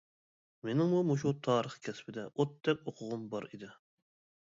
مېنىڭمۇ مۇشۇ تارىخ كەسپىدە ئوتتەك ئوقۇغۇم بار ئىدى.